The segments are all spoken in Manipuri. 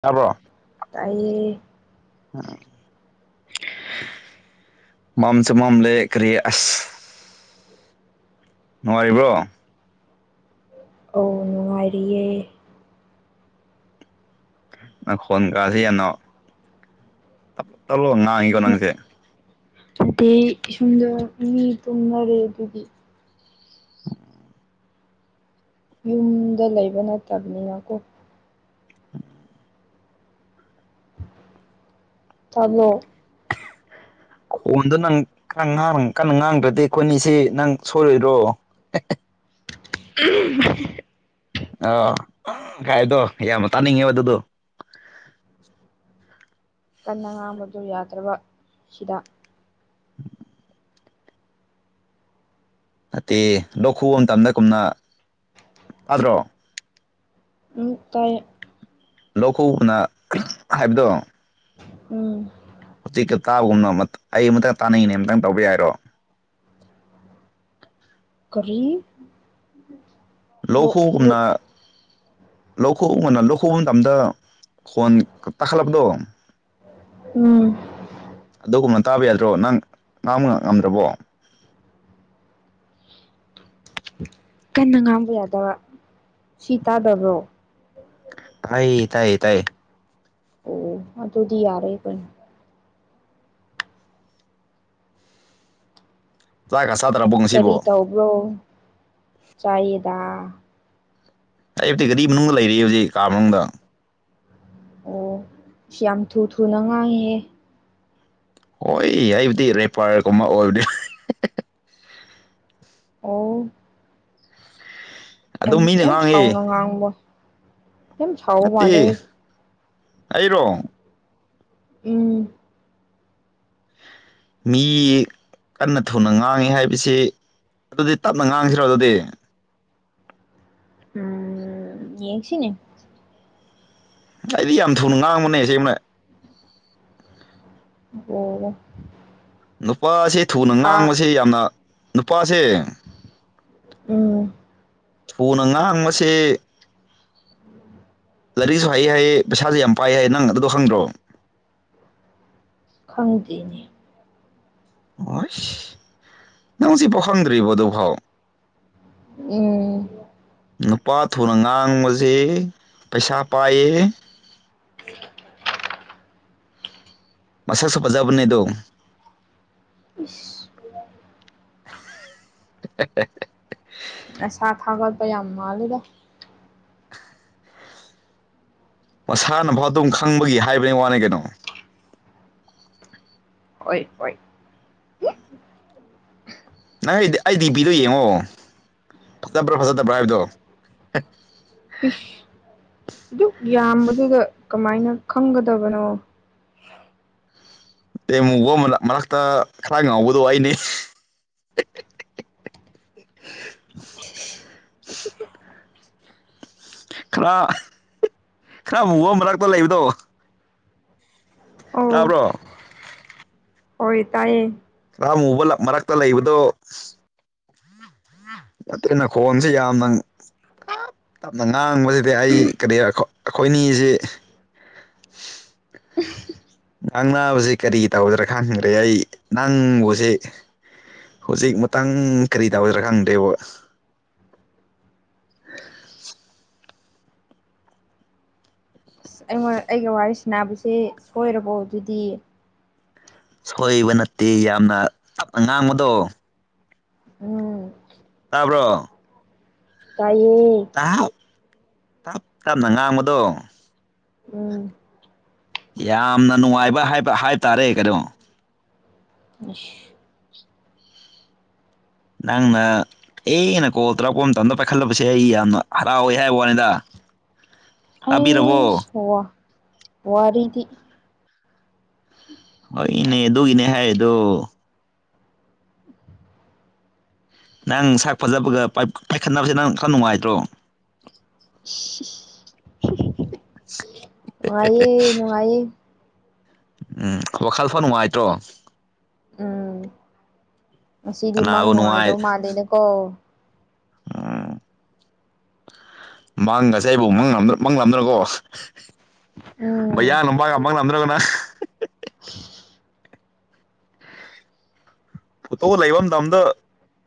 ꯇꯥꯕ꯭ꯔꯣ ꯇꯥꯏꯌꯦ ꯑ ꯃꯥꯝꯆꯥ ꯃꯥꯝꯂ ꯀꯔꯤ ꯑꯁ ꯅꯨꯡꯉꯔꯤꯕ꯭ꯔꯣ ꯑꯧ ꯅꯨꯡꯉꯥꯏꯔꯤꯌꯦ ꯅꯪꯈꯣꯟ ꯀꯁꯤ ꯌꯅꯣ [unintelligible] ꯉꯥꯡꯉꯤꯀꯣ ꯅꯪꯁꯦ ꯑꯗꯤ ꯏꯁꯁꯨꯝꯗꯣ ꯃꯤ ꯇꯨꯝꯅꯔꯦ ꯑꯗꯨꯒꯤ ꯎꯝ ꯌꯨꯝꯗ ꯂꯩꯕ ꯅꯠꯇꯕꯅꯤꯅ ꯀꯣ ꯎꯝ ꯇꯥꯕ꯭ꯔꯣ ꯈꯣꯟꯗꯣ ꯅꯪꯔ ꯀꯟꯅ ꯉꯥꯡꯗ꯭ꯔꯗꯤ ꯑꯩꯈꯣꯏꯅꯤꯁꯤ ꯅꯪ ꯁꯣꯏꯣꯏꯔꯣ [inaudible] ꯑ ꯀꯥꯏꯗꯣ ꯌꯥꯝꯅ ꯇꯥꯅꯤꯡꯉꯦꯕ ꯑꯗꯨꯗꯣ ꯀꯟꯅ ꯉꯥꯡꯕꯗꯨ ꯌꯥꯗ꯭ꯔꯕ ꯁꯤꯗ ꯎꯝ ꯅꯠꯇꯦ ꯂꯧꯈꯨꯕ ꯃꯇꯝꯗ ꯀꯨꯝꯅ ꯑꯥꯗ꯭ꯔꯣ ꯇꯥꯏ ꯂꯧꯈꯅ ꯍꯥꯏꯕꯗꯣ ꯎꯝ ꯍꯧꯖꯤꯛꯀ ꯇꯥꯕꯒꯨꯝꯅ ꯑꯩ ꯑꯃꯝꯇꯪ ꯇꯥꯅꯉꯤꯅꯦ ꯑꯃꯝꯇꯪ ꯇꯧꯕ ꯌꯥꯏꯔꯣ ꯀꯔꯤ ꯂꯣꯛ ꯂꯣꯛ ꯂꯧꯈꯨꯒꯨꯝꯅ ꯂꯧꯊꯣꯛꯎ ꯉꯅ ꯂꯧꯊꯣꯛꯄ ꯃꯇꯝꯗ ꯈꯣꯟ ꯇꯥꯈꯠꯂꯕꯗꯣ ꯎꯝ ꯑꯗꯨꯒꯨꯝꯅ ꯇꯥꯕ ꯌꯥꯗ꯭ꯔꯣ ꯅꯪ ꯉꯥꯡꯕ ꯉ ꯉꯝꯗ꯭ꯔꯕꯣ ꯀꯟꯅ ꯉꯥꯡꯕ ꯌꯥꯗꯕ ꯁꯤ ꯇꯥꯗꯕ꯭ꯔꯣ ꯇꯥꯏ ꯇꯥꯏꯌꯦ ꯇꯥꯏꯌꯦ ꯑꯣ ꯑꯗꯨꯗꯤ ꯌꯥꯔꯣꯏ ꯀꯩꯅꯣ ꯆꯥꯛꯒ ꯆꯥꯗ꯭ꯔꯕꯣ ꯉꯁꯤꯕꯣ ꯣ ꯆꯥꯏꯗ ꯑꯩ ꯑꯞꯇꯤ ꯒꯥꯔꯤ ꯃꯅꯨꯡꯗ ꯂꯩꯔꯤ ꯍꯧꯖꯤꯛ ꯀꯥ ꯃꯅꯨꯡꯗ ꯑꯣ ꯁꯤ ꯌꯥꯝ ꯊꯨ ꯊꯨꯅ ꯉꯥꯡꯍꯦ ꯍꯣꯏ ꯑꯩꯕꯨꯗꯤ ꯔꯦꯄꯥꯌꯔꯒꯨꯝꯕ ꯑꯣꯏꯕꯗꯤ ꯑꯣ ꯌꯥꯝ ꯑꯗꯨꯝ ꯃꯤꯅ ꯌꯥꯝ ꯉꯥꯡꯉꯤ ꯁꯥꯎꯅ ꯉꯥꯡꯕꯣꯏ ꯅꯠꯇꯦ ꯑꯩꯔꯣ ꯎꯝ ꯃꯤ ꯀꯟꯅ ꯊꯨꯅ ꯉꯥꯡꯉꯤ ꯍꯥꯏꯕꯁꯤ ꯑꯗꯨꯗꯤ ꯇꯞꯅ ꯉꯥꯡꯁꯤꯔꯣ ꯑꯗꯨꯗꯤ ꯎꯝ ꯌꯦꯡꯁꯤꯅꯦ ꯑꯩꯗꯤ ꯌꯥꯝ ꯊꯨꯅ ꯉꯥꯡꯕꯅꯦꯁꯦ ꯑꯃꯅ ꯑꯣ ꯅꯨꯄꯥꯁꯤ ꯊꯨꯅ ꯐꯥ ꯉꯥꯡꯕꯁꯤ ꯌꯥꯝꯅ ꯅꯨꯄꯥꯁꯦ ꯎꯝ ꯊꯣꯟꯅ ꯉꯍꯥꯡꯕꯁꯦ ꯂꯥꯏꯔꯤꯛꯁꯨ ꯍꯩꯌꯦ ꯍꯥꯏꯌꯦ ꯄꯩꯁꯥꯁꯨ ꯌꯥꯝ ꯄꯥꯏ ꯍꯥꯏꯌꯦ ꯅꯪ ꯑꯗꯨꯗꯣ ꯈꯪꯗ꯭ꯔꯣꯕ ꯈꯪꯗ꯭ꯔꯤꯅꯦ ꯍ ꯅꯪ ꯁꯤ ꯄꯣꯛꯈꯪꯗ꯭ꯔꯤꯕ ꯑꯗꯨ ꯐꯥꯎ ꯎꯝ ꯅꯨꯄꯥ ꯊꯨꯅ ꯉꯥꯡꯕꯕꯁꯤꯦ ꯄꯩꯁꯥ ꯄꯥꯏꯌꯦ ꯎ ꯃꯁꯥ ꯁꯄꯖꯥꯕ ꯅꯗꯣ ꯏꯁꯁ [inaudible] ꯑꯁꯥ ꯊꯥꯒꯠꯄ ꯌꯥꯝ ꯃꯥꯜꯂꯦꯗꯣ ꯃꯁꯥꯅꯐꯥꯎ ꯑꯗꯨꯝ ꯈꯪꯕꯒꯤ ꯍꯥꯏꯕꯅꯤ ꯋꯥꯅꯤ ꯀꯩꯅꯣ ꯍꯣꯏ ꯍꯣꯏ ꯅꯪ ꯑꯩꯗꯤ ꯑꯩ ꯗꯤ ꯄꯤꯗꯣ ꯌꯦꯡꯉꯣ ꯐꯖꯕ꯭ꯔꯥ ꯐꯖꯗꯕ꯭ꯔꯥ ꯍꯥꯏꯕꯗꯣ ꯄꯤꯁ ꯑꯗꯨꯛ ꯌꯥꯝꯕꯗꯨꯗ ꯀꯃꯥꯏꯅ ꯈꯪꯒꯗꯕꯅꯣ ꯇ ꯑꯃꯨꯕꯛ ꯃꯔꯛꯇ ꯈꯔ ꯉꯥꯎꯕꯗꯣ ꯑꯩꯅꯦ ꯈꯔ ꯈꯔ ꯃꯨꯕ ꯃꯔꯛꯇ ꯂꯩꯕꯗꯣ ꯑꯧ ꯇꯥꯕ꯭ꯔꯣ ꯍꯣꯏ ꯇꯥꯏꯌꯦ ꯈ ꯑꯃꯨꯕ ꯃꯔꯛꯇ ꯂꯩꯕꯗꯣ ꯅꯇꯩꯅ ꯈꯣꯟꯁꯦ ꯌꯥꯝꯅ ꯌꯥꯝꯅ ꯉꯥꯡꯕꯁꯤꯗꯤ ꯑꯩ ꯀꯔꯤ ꯑꯩꯈꯣꯏ ꯑꯅꯤꯁꯤ ꯅꯪ ꯅꯥꯕꯁꯤ ꯀꯔꯤꯒꯤ ꯇꯧꯗ꯭ꯔꯥ ꯈꯪꯗ꯭ꯔꯦ ꯑꯩ ꯅꯪꯕꯨꯁ ꯍꯧꯖꯤꯛ ꯃꯇꯥꯡ ꯀꯔꯤ ꯇꯎꯗꯔꯥ ꯈꯪꯗꯦꯕ [inaudible] ꯍꯣꯢꯏ ꯑꯩꯒ ꯋꯥꯔꯤ ꯁꯁꯦ ꯁꯣꯏꯔꯕꯣ ꯑꯗꯨꯗꯤ ꯁꯣꯏꯕ ꯅꯠꯇꯦ ꯌꯥꯝꯅ ꯇꯞꯅ ꯉꯥꯡꯕꯗꯣ ꯎꯝ ꯇꯥꯕ꯭ꯔꯣ ꯇꯥꯏꯌꯦ ꯇꯞ ꯇꯞ ꯇꯞꯅ ꯉꯥꯡꯕꯗꯣ ꯎꯝ ꯌꯥꯝꯅ ꯅꯨꯡꯉꯥꯏꯕ ꯍꯥꯏꯕ ꯍꯥꯏꯕ ꯇꯥꯔꯦ ꯀꯩꯅꯣ ꯑ ꯅꯪꯅ ꯑꯩꯅꯀꯣ ꯇꯔꯥꯞꯄ ꯑꯃꯇ ꯑꯗ ꯄꯥꯏꯈꯠꯂꯕꯁꯦ ꯑꯩ ꯌꯥꯝꯅ ꯍꯔꯥꯎꯋꯦ ꯍꯥꯏꯕ ꯋꯥꯅꯤꯗ ꯑ ꯇꯥꯕꯤꯔꯕꯣ ꯑꯩꯁ ꯋꯥꯔꯤꯗꯤ ꯍ ꯏꯅꯦ ꯑꯗꯨꯒꯤꯅꯦ ꯍꯥꯏꯗꯣ ꯅꯪ ꯁꯥꯛ ꯐꯖꯕꯒ ꯄꯥꯏꯈꯠꯅꯕꯁꯦ ꯅꯪ ꯈꯔ ꯅꯨꯡꯉꯥꯏꯇ꯭ꯔꯣ ꯏꯁ [inaudible] ꯉꯅꯨꯡꯌꯦ ꯅꯨꯡꯉꯑꯌꯦ ꯎꯝ ꯋꯥꯈꯜ ꯐꯣ ꯅꯨꯡꯉꯥꯏꯇ꯭ꯔꯣ ꯎꯝ ꯉꯁꯤꯗꯤ ꯃꯪ ꯀꯅꯥꯕꯨ ꯅꯨꯡꯉꯥꯏꯗꯧ ꯃꯥꯜꯂꯦꯅꯦꯀꯣ ꯑ ꯃꯪ ꯉꯁꯦ ꯑꯩꯕꯨ ꯃꯪꯂꯝꯗ꯭ꯔꯣ ꯃꯪꯂꯝꯂꯝꯗ꯭ꯔꯀꯣ ꯎꯝ ꯃꯌꯥꯡ ꯅꯄꯥꯄ ꯉꯝꯗ꯭ꯔꯒꯅ ꯐꯣꯇꯣ ꯂꯩꯕ ꯃꯇꯝꯗ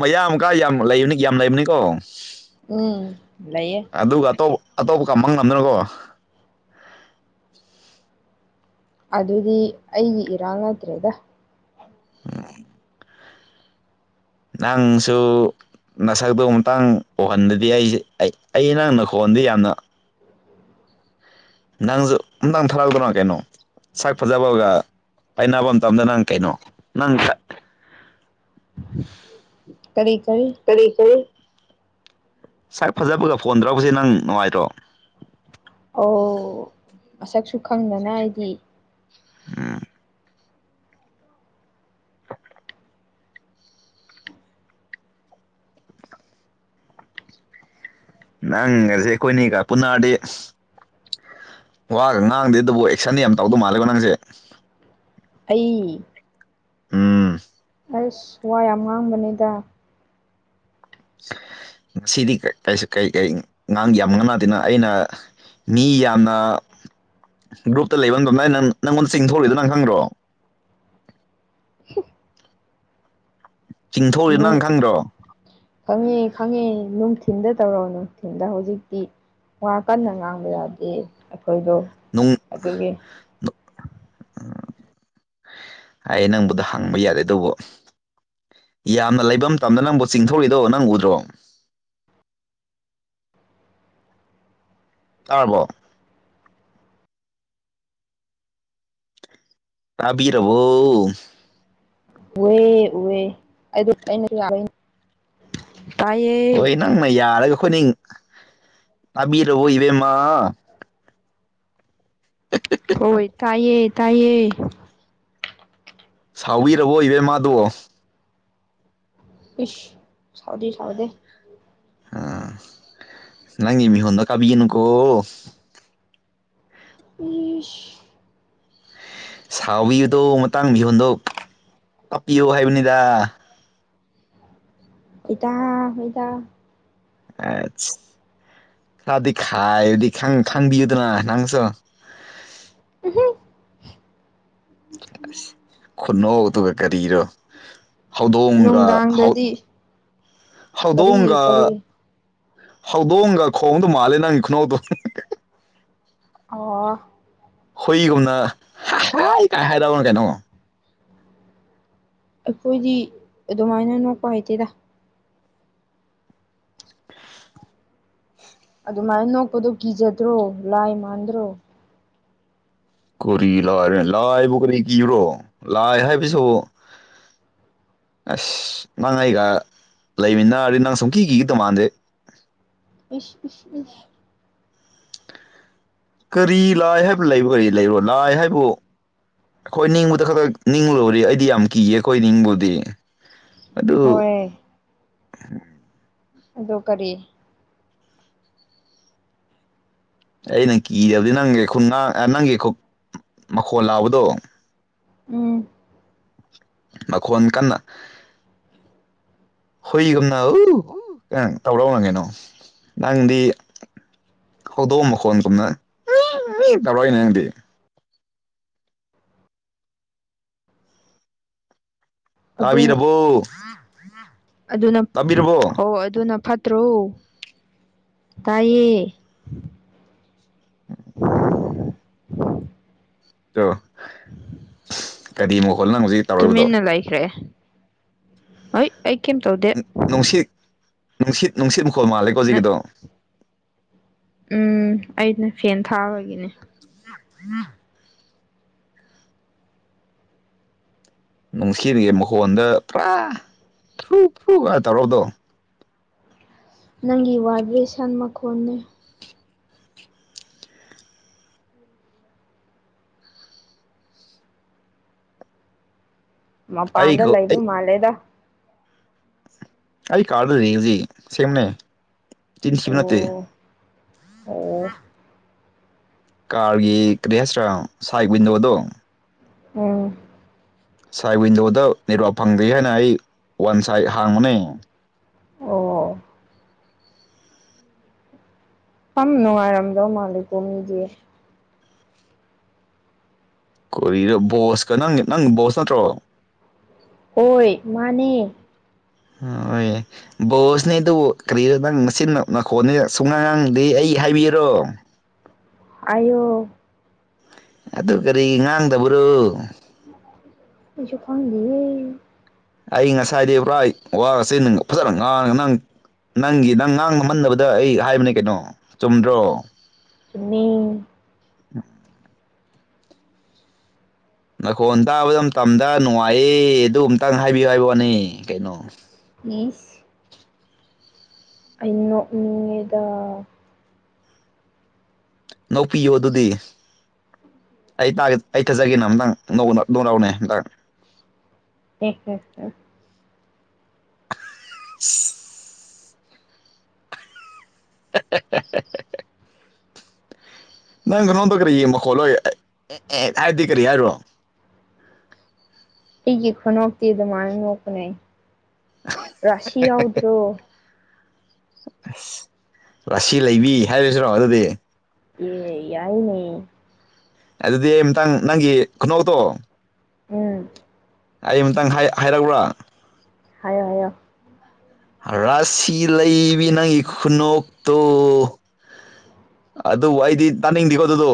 ꯃꯌꯥ ꯑꯃꯀ ꯌꯥꯝ ꯂꯩꯕꯅꯤ ꯌꯥꯝ ꯂꯩꯕꯅꯤꯀꯣ ꯎꯝ ꯂꯩꯌꯦ ꯑꯗꯨꯒ ꯑꯇꯣꯞ ꯑꯇꯣꯞꯄ ꯀꯝꯕ ꯉꯝꯗꯅꯀꯣ ꯑꯗꯨꯗꯤ ꯑꯩꯒꯤ ꯏꯔꯥꯡ ꯅꯠꯇ꯭ꯔꯦꯗ ꯅꯥꯡꯁꯨ ꯅꯁꯛꯇꯨ ꯃꯇꯥꯡ ꯎꯍꯟꯗꯗꯤ ꯑꯩꯁꯦ ꯑꯩ ꯅꯛ ꯅꯈꯣꯟꯗ ꯌꯥꯝꯅ ꯅꯪꯁꯨ ꯅꯪ ꯊꯥꯔꯥꯜꯗꯣ ꯀꯩꯅꯣ ꯁꯛ ꯐꯖꯕꯒ ꯄꯥꯏꯅꯕ ꯃꯇꯝꯗ ꯅꯪ ꯀꯩꯅꯣ ꯅꯪ [unintelligible] ꯀꯔꯤ ꯀꯔꯤ ꯀꯔꯤ ꯀꯔꯤ ꯉꯥꯏ ꯐꯖꯕꯒ ꯐꯣꯟ ꯇꯧꯔꯛꯁꯤ ꯅꯪ ꯅꯨꯡꯉꯥꯏꯇ꯭ꯔꯣ ꯑꯣ ꯃꯁꯛꯁꯨ ꯈꯪꯗꯅ ꯑꯩꯗꯤ ꯑ ꯅꯪ ꯉꯁꯦ ꯑꯩꯈꯣꯏꯅꯤꯒ ꯄꯨꯟꯅꯔꯗꯤ ꯋꯥꯒ ꯉꯥꯡꯗꯦ ꯑꯗꯨꯕꯨ ꯑꯦꯛꯁꯟꯗꯤ ꯌꯥꯝ ꯇꯧꯗꯧ ꯃꯥꯜꯂꯦꯕꯣ ꯅꯪꯁꯦ ꯑꯩ ꯑ ꯑꯁ ꯋꯥ ꯌꯥꯝ ꯉꯥꯡꯕꯅꯤꯗ ꯉꯁꯤꯗꯤ ꯀ ꯀꯔꯤ ꯑꯉꯥꯡ ꯌꯥꯝꯅꯅꯥꯗꯅ ꯑꯩꯅ ꯃꯤ ꯌꯥꯝꯅ ꯒ꯭ꯔꯨꯞꯇ ꯂꯩꯕ ꯃꯇꯝꯗ ꯅꯪ ꯅꯪꯉꯣꯟꯗ ꯆꯤꯡꯊꯣꯔꯂꯤꯗ ꯅꯪ ꯈꯪꯗ꯭ꯔꯣ ꯆꯤꯡꯊꯣꯛꯎꯔꯤ ꯅꯪ ꯅꯨꯡ ꯈꯪꯗ꯭ꯔꯣ ꯈꯪꯉꯦ ꯈꯪꯉꯦ ꯅꯨꯡꯊꯤꯟꯗ ꯇꯧꯔꯣ ꯅꯨꯡꯊꯤꯟꯗ ꯍꯧꯖꯤꯛꯇꯤ ꯋꯥ ꯀꯟꯅ ꯉꯥꯡꯕ ꯌꯥꯗꯦ ꯑꯩꯈꯣꯏꯗꯣ ꯅꯣꯡ ꯑꯗꯨꯒꯤ ꯑꯩ ꯅꯪꯕꯨꯗ ꯍꯪꯕ ꯌꯥꯗꯦ ꯇꯧꯕ ꯌꯥꯝꯅ ꯂꯩꯐꯝ ꯇꯝꯗ ꯅꯪꯕꯨ ꯆꯤꯡꯊꯧꯔꯤꯗꯣ ꯅꯪ ꯎꯗ꯭ꯔꯣ ꯇꯥꯔꯕꯣ ꯇꯥꯕꯤꯔꯕꯣ ꯎꯑꯦ ꯎꯍꯦ ꯑꯩ ꯑꯩꯅ ꯌꯥ ꯇꯥꯏꯌꯦ ꯍꯣꯏ ꯅꯪꯅ ꯌꯥꯔꯒ ꯑꯩꯈꯣꯏꯅꯤꯡ ꯇꯥꯕꯤꯔꯕ ꯏꯕꯦꯝꯃ [unintelligible] ꯍꯣꯏ ꯇꯥꯏꯌꯦ ꯇꯥꯏꯌꯦ ꯁꯥꯎꯕꯤꯔꯕꯣ ꯏꯕꯦꯝ ꯃꯥꯗꯣ ꯑꯁ ꯁꯥꯎꯗꯦ ꯁꯥꯎꯗꯦ ꯑꯥ ꯅꯪꯒꯤ ꯃꯤꯍꯣꯟꯗꯣ ꯀꯥꯕꯤꯒꯅꯨꯀꯣ ꯏꯁ ꯁꯥꯎꯕꯤꯕꯗꯣ ꯃꯇꯥꯡ ꯃꯤꯍꯣꯟꯗꯣꯛ ꯇꯞꯄꯤꯌꯣ ꯍꯥꯏꯕꯅꯤꯗ ꯍꯗ ꯍꯗ ꯑ ꯈꯔꯗꯤ ꯈꯥꯏꯗꯤ ꯈꯥꯡꯕꯤꯌꯨꯗꯅ ꯅꯪꯁꯣ [unintelligible] ꯑꯁ ꯈꯨꯅꯧꯗꯨꯒ ꯀꯔꯤꯔꯣ ꯍꯧꯗꯣꯡꯒ ꯍꯧ ꯅꯨꯡꯗꯥꯡꯗꯗꯤ ꯀꯔꯤ ꯍꯧꯗꯣꯡꯒ ꯀꯔꯤ ꯍꯧꯗꯣꯡꯒ ꯈꯣꯡꯗꯧ ꯃꯥꯜꯂꯦ ꯅꯪꯒꯤ ꯈꯨꯅꯣꯛꯇꯣ ꯑꯣ ꯍꯨꯏꯒꯨꯝꯅ ꯍꯥꯏ ꯀꯥꯏ ꯍꯥꯏꯗꯕꯅꯣ ꯀꯩꯅꯣ ꯑꯩꯈꯣꯏꯗꯤ ꯑꯗꯨꯃꯥꯏꯅ ꯅꯣꯛꯄ ꯍꯩꯇꯦꯗ [unintelligible] [inaudible] ꯑꯗꯨꯃꯥꯏꯅ ꯅꯣꯛꯄꯗꯣ ꯀꯤꯖꯗ꯭ꯔꯣ ꯂꯥꯏ ꯃꯥꯟꯗ꯭ꯔꯣ ꯀꯔꯤ ꯂꯥꯏꯔ ꯂꯥꯏꯕꯨ ꯀꯔꯤ ꯀꯤꯕ꯭ꯔꯣ ꯂꯥꯏ ꯍꯥꯏꯕꯁꯨ ꯑꯁ ꯅꯪ ꯑꯩꯒ ꯂꯩꯃꯤꯟꯅꯔꯗꯤ ꯅꯪ ꯁꯨꯝ ꯀꯤ ꯀꯤꯒꯗ ꯃꯥꯟꯗꯦ ꯏꯁ ꯏꯁ ꯀꯔꯤ ꯂꯥꯏ ꯍꯥꯏꯕ ꯂꯩꯕ꯭ꯔꯥ ꯀꯔꯤ ꯂꯩꯔꯣ ꯂꯥꯏ ꯍꯥꯏꯕꯕꯨ ꯑꯩꯈꯣꯏ ꯅꯤꯡꯕꯨꯗ ꯈꯛꯇꯛ ꯅꯤꯡ ꯂꯧꯨꯔꯤ ꯑꯩꯗꯤ ꯌꯥꯝ ꯀꯤꯌꯦ ꯑꯩꯈꯣꯏ ꯅꯤꯡꯕꯨꯗꯤ ꯑꯗꯨ ꯍꯣꯏ ꯑꯗꯨ ꯀꯔꯤ ꯑꯩꯅ ꯀꯤ ꯍꯏꯕꯗꯤ ꯅꯪꯒꯤ ꯈꯨꯟ ꯉꯥꯡ ꯅꯪꯒꯤ ꯃꯈꯣꯟ ꯂꯥꯎꯕꯗꯣ ꯎꯝ ꯃꯈꯣꯟ ꯀꯟꯅ ꯍꯣꯏꯒꯨꯝꯅ ꯀ ꯇꯥꯎꯔꯥꯎꯅ ꯀꯩꯅꯣ ꯅꯪꯗꯤ ꯍꯧꯗꯣꯡꯑ ꯃꯈꯣꯟꯒꯨꯝꯅ ꯇꯧꯔꯏꯅꯦ ꯅꯪꯗꯤ ꯑꯗꯨꯅ ꯇꯥꯕꯤꯔꯕꯣ ꯑꯗꯨꯅ ꯇꯥꯕꯤꯔꯕꯣ ꯍꯣ ꯑꯗꯨꯅ ꯐꯠꯇ꯭ꯔꯣ ꯇꯥꯏꯌꯦ ꯎ ꯑꯣ ꯀꯔꯤ ꯑꯃꯨꯛ ꯍꯣꯜ ꯅꯪ ꯍꯧꯖꯤꯛ ꯇꯧꯔꯛꯏꯕꯗꯣ ꯇꯨꯃꯤꯟꯅ ꯂꯩꯈ꯭ꯔꯦ ꯍꯣꯏ ꯑꯩ ꯀꯩꯝ ꯇꯧꯗꯦ ꯅꯨꯡꯁꯤꯠ ꯅꯨꯡꯁꯤꯠ ꯅꯨꯡꯁꯤꯠ ꯃꯈꯨꯣꯜ ꯃꯥꯜꯂꯦꯀꯣꯖꯤꯒꯤꯗꯣ ꯎꯝ ꯑꯩꯅ ꯐꯦꯟ ꯊꯥꯕꯒꯤꯅꯦ ꯎ ꯅꯨꯡꯁꯤꯔꯤꯉꯦ ꯃꯈꯣꯟꯗ ꯄꯨꯔꯥ ꯊ꯭ꯔꯨ ꯊ꯭ꯔꯨ ꯀ ꯇꯧꯔꯔꯕꯗꯣ ꯅꯪꯒꯤ ꯋꯥꯗꯒꯤ ꯁꯟ ꯃꯈꯣꯟꯅꯦ ꯑꯩ ꯃꯄꯥꯟꯗ ꯂꯩꯕ ꯑꯩ ꯃꯥꯜꯂꯦꯗ ꯑꯩ ꯀꯥꯔꯗ ꯌꯦꯡꯁꯤ ꯁꯦꯝꯅꯦ ꯇꯤꯟ ꯁꯤꯕ ꯅꯠꯇꯦ ꯑꯣ ꯑꯣ ꯀꯥꯔꯒꯤ ꯀꯔꯤ ꯍꯥꯏꯁ꯭ꯔꯥ ꯁꯥꯏ ꯋꯤꯟꯗꯣꯗꯣ ꯎꯝ ꯁꯥꯏꯠ ꯋꯤꯟꯗꯣꯗ ꯅꯦꯠꯋꯥꯛ ꯐꯪꯗꯦ ꯍꯥꯏꯅ ꯑꯩ ꯋꯥꯟ ꯁꯥꯏꯠ ꯍꯥꯡꯕꯅꯦ ꯑꯣ ꯐꯅꯨ ꯋꯥꯔꯝꯗ ꯃꯥꯂꯨꯝꯦ ꯀꯣꯗ ꯕꯣꯁꯀ ꯅꯪ ꯅꯪ ꯕꯣꯁ ꯅꯠꯇ꯭ꯔꯣ ꯍꯣꯏ ꯃꯥꯅꯦ ꯑꯥ ꯍꯣꯢ ꯕꯣꯁꯅꯦ ꯑꯗꯨ ꯀꯔꯤ ꯅꯪ ꯃꯆꯤꯟ ꯅꯈꯣꯟꯅꯤ ꯁꯨꯡꯉꯥꯡ ꯉꯥꯡꯗꯦ ꯑꯩ ꯍꯥꯏꯕꯤꯋꯨꯔꯣ ꯍꯥꯢꯌꯣ ꯑꯗꯨ ꯀꯔꯤ ꯉꯥꯡꯗꯕ꯭ꯔꯣ ꯑꯩꯁꯨ ꯈꯥꯡꯗꯦꯌꯦ ꯑꯩ ꯉꯁꯥꯏꯗꯤ ꯄꯨꯔꯥ ꯋꯥꯒꯁꯤ ꯅꯪ ꯐꯖꯅ ꯉꯥꯡꯉꯒ ꯅꯪ ꯅꯪꯒꯤ ꯅꯪ ꯉꯥꯡ ꯉꯝꯍꯟꯅꯕꯗ ꯑꯩ ꯍꯥꯏꯕꯅꯦ ꯀꯩꯅꯣ ꯆꯨꯝꯗ꯭ꯔꯣ ꯆꯅꯤ ꯈꯣꯟ ꯇꯥꯕꯗ ꯃꯇꯝꯗ ꯅꯨꯡꯉꯥꯏꯌꯦ ꯑꯗꯨ ꯑꯇꯪ ꯍꯥꯏꯕꯤꯌꯨ ꯍꯥꯏꯕꯅꯦ ꯀꯩꯅꯣ ꯃꯤꯅꯤꯁ ꯑ ꯅꯣꯛꯅꯤꯡꯉꯩꯗ ꯎꯄꯤꯌꯣ ꯑꯗꯨꯗꯤ ꯑꯩ ꯑꯩ ꯊꯠꯆꯒꯦꯅ ꯑꯨꯇꯪ ꯅꯧꯔꯎꯅꯦ ꯑꯝꯇꯪ ꯑꯦ ꯍꯦ ꯍꯦ [inaudible] ꯅꯪ ꯅꯔꯣꯡꯗꯣ ꯀꯔꯤ ꯀꯔꯤꯒꯤ ꯃꯈꯣꯜꯂ ꯑꯦ ꯑꯦ ꯍꯥꯏꯗꯤ ꯀꯔꯤ ꯍꯥꯏꯔꯣ ꯑꯩꯒꯤ ꯈꯨꯅꯣꯛꯇꯤ ꯑꯗꯨꯃꯥꯏꯅ ꯅꯣꯛꯄꯅꯦ ꯔꯥꯁꯤ ꯌꯥꯎꯗ꯭ꯔꯣ ꯑꯁ ꯔꯁꯤ ꯂꯩꯕꯤ ꯍꯥꯏꯔꯁꯤꯔꯣ ꯑꯗꯨꯗꯤ ꯑꯦ ꯌꯥꯏ ꯅꯦ ꯑꯗꯨꯗꯤꯥ ꯃꯊꯪꯪꯅꯪꯒꯤ ꯈꯨꯅꯣꯛꯇꯣ ꯎꯝ ꯑꯩ ꯑꯃꯨꯛꯇꯪ ꯍꯥꯏꯔꯛꯎꯔꯥ ꯍꯥꯏꯌꯣ ꯍꯥꯏꯌꯣ ꯔꯥꯁꯤ ꯂꯩꯕꯤ ꯅꯪꯒꯤ ꯈꯨꯅꯣꯛꯇꯨ ꯑꯗꯨꯕꯨ ꯑꯩꯗꯤ ꯇꯥꯅꯤꯡꯗꯦꯀꯣ ꯑꯗꯨꯗꯣ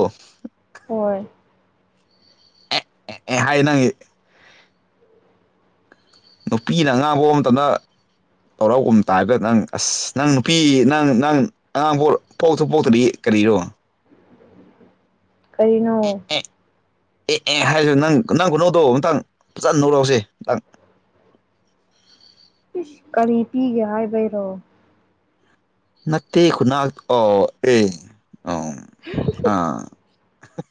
ꯍꯣꯏ ꯑꯦ ꯑꯦ ꯑꯦ ꯍꯥꯏ ꯅꯪ ꯅꯨꯄꯤꯅ ꯑꯉꯥꯡ ꯃꯇꯝꯗ ꯇꯧꯔꯒꯨꯝ ꯇꯥꯢꯒ ꯅꯪ ꯑꯁ ꯅꯪ ꯅꯨꯄꯤ ꯅꯪ ꯅꯪ ꯑꯉꯥꯡꯡ ꯄꯣ ꯄꯣꯛꯁꯨ ꯄꯣꯛꯇ꯭ꯔꯤ ꯀꯔꯤꯔꯣ ꯑꯦ ꯀꯔꯤꯅꯣ ꯑꯦ ꯑꯦ ꯑꯦ ꯍꯥꯏꯔ ꯅꯪ ꯅꯪ ꯈꯨꯅꯣꯛꯇꯣ ꯃꯇꯪ ꯐꯖꯅ ꯅꯣꯛꯔꯛꯎꯁꯦ ꯏꯁ ꯀꯔꯤ ꯄꯤꯒꯦ ꯍꯥꯏꯕꯩꯔꯣ ꯅꯠꯇꯦ ꯈꯨꯅꯥꯟ ꯑꯣ ꯑꯦ ꯑ ꯑꯥ